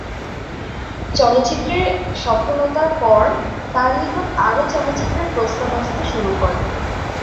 এই চলচ্চিত্রের সফলতার পর তার নিকট আরও চলচ্চিত্রের প্রস্তাব আসতে শুরু করেন।